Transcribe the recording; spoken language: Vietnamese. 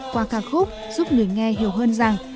qua ca khúc giúp người nghe hiểu hơn rằng